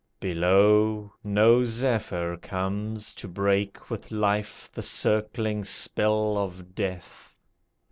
Below, no zephyr comes To break with life the circling spell of death.